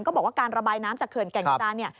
ก็บอกว่าการระบายน้ำจากเขื่อนแก่งกระจานเนี่ย